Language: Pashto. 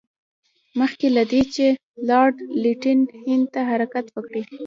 مخکې له دې چې لارډ لیټن هند ته حرکت وکړي.